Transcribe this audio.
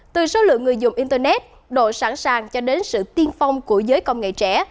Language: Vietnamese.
từ số lượng người dùng internet độ sẵn sàng cho đến sự tiên phong của giới công nghệ trẻ